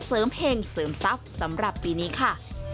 เห็งเสริมทรัพย์สำหรับปีนี้ค่ะ